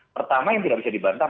pertama yang tidak bisa dibantah